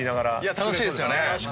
楽しいですよね。